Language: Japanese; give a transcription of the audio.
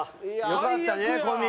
よかったね小宮。